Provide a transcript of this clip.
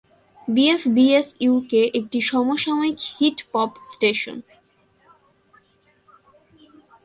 BFBS UK একটি সমসাময়িক hit 'pop' station.